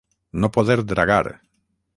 No poder dragar.